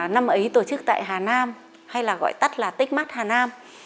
năm ấy tổ chức tại hà nam hay là gọi tắt là techmark hà nam